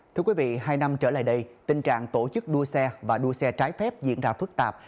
thưa quý vị hai năm trở lại đây tình trạng tổ chức đua xe và đua xe trái phép diễn ra phức tạp